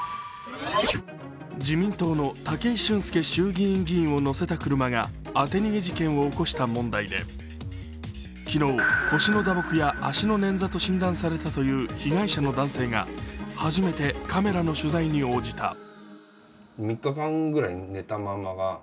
自民党の武井俊輔衆議院議員を乗せた車が当て逃げ事件を起こした問題で、昨日、腰の打撲や足のねんざと診断されたという被害者の男性が初めてカメラの取材に応じた。